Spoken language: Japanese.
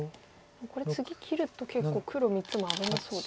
これ次切ると結構黒３つも危なそうですね。